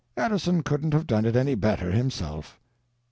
Edison couldn't have done it any better himself.